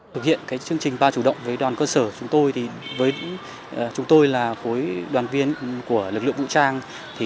thực hiện chương trình ba chủ động với đoàn cơ sở chúng tôi với chúng tôi là khối đoàn viên của lực lượng vũ trang